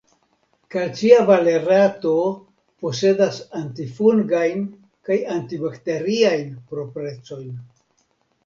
Kalcia valerato posedas antifungajn kaj antibakteriajn proprecojn.